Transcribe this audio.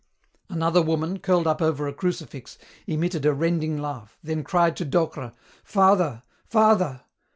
Another woman, curled up over a crucifix, emitted a rending laugh, then cried to Docre, "Father, father!"